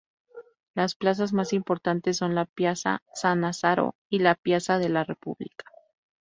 Las plazas más importantes son la Piazza Sannazaro y la Piazza della Repubblica.